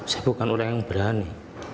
saya bukan orang yang berani